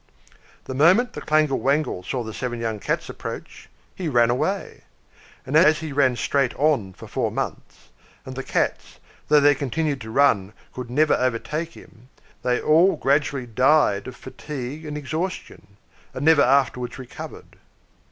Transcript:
The moment the Clangle Wangle saw the seven young Cats approach, he ran away; and as he ran straight on for four months, and the Cats, though they continued to run, could never overtake him, they all gradually died of fatigue and exhaustion, and never afterwards recovered.